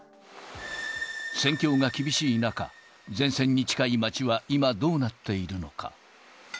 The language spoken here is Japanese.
戦況が厳しい中、前線に近い街は今、どうなっているのか。